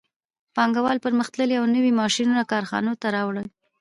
پانګوال پرمختللي او نوي ماشینونه کارخانو ته راوړي